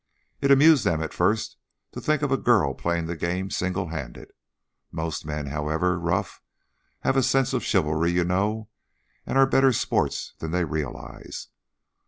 It amused them at first to think of a girl playing the game single handed most men, however rough, have a sense of chivalry, you know, and are better sports than they realize.